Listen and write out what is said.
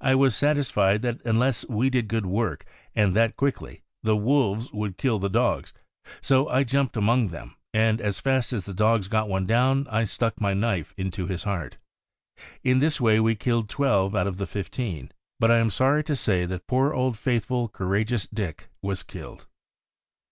I was satisfied that unless we did good work, and that quickly, the wolves would kill the dogs; so I jumped among them, and as fast as the dogs got one down I stuck my knife into his heart. In this way we killed twelve out of the fifteen; but I am sorry to say that poor old, faithful, courageous Dick was killed."